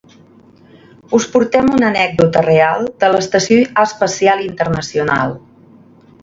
us portem una anècdota real de l'Estació Espacial Internacional